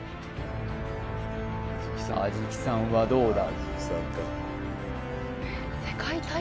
安食さんはどうだ？